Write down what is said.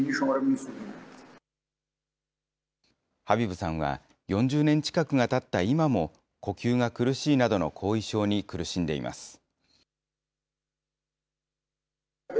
ハビブさんは４０年近くがたった今も呼吸が苦しいなどの後遺症に苦しんでいます。